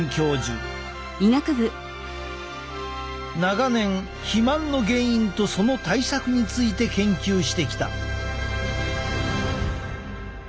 長年肥満の原因とその対策について研究してきた。